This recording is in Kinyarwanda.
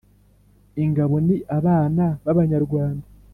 ingabo ni abana b' abanyarwanda.